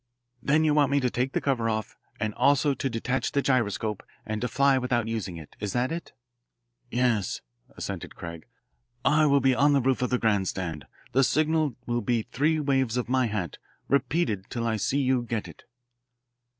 Then you want me to take the cover off, and also to detach the gyroscope, and to fly without using it. Is that it?" "Yes," assented Craig. "I will be on the roof of the grand stand. The signal will be three waves of my hat repeated till I see you get it."